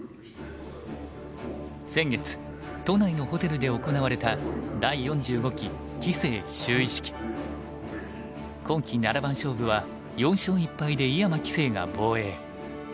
先月都内のホテルで行われた今期七番勝負は４勝１敗で井山棋聖が防衛。